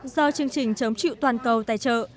do chương trình chống chịu toàn cầu tài trợ